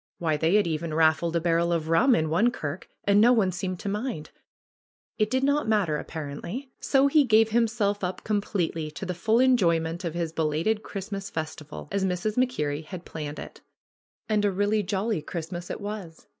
Why, they had even raffled a barrel of rum in one kirk, and no one seemed to mind ! It did not mat ter apparently. So he gave himself up completely to the full enjoyment of his belated Christmas festival as Mrs. MacKerrie had planned it. And a really jolly Christmas it was!